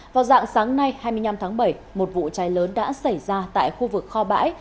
vào dạng sáng nay hai mươi năm tháng bảy một vụ cháy lớn đã xảy ra tại khu vực kho bãi